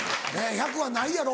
１００はないやろ？